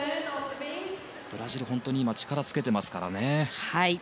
ブラジル、本当に今力をつけていますからね。